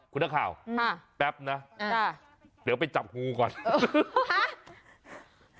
คุณนักข่าวแป๊บนะเดี๋ยวไปจับงูก่อน